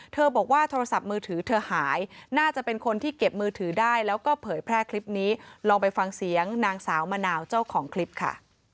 บอกว่าโทรศัพท์มือถือเธอหายน่าจะเป็นคนที่เก็บมือถือได้แล้วก็เผยแพร่คลิปนี้ลองไปฟังเสียงนางสาวมะนาวเจ้าของคลิปค่ะ